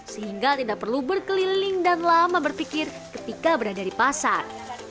sehingga tidak perlu berkeliling dan lama berpikir ketika berada di pasar